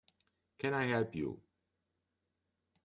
Can I help you?